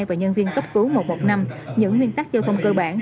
và nhân viên cấp cứu một trăm một mươi năm những nguyên tắc giao thông cơ bản